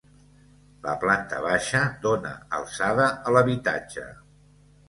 La planta baixa dóna alçada a l'habitatge.